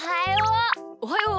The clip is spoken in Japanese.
おはよう。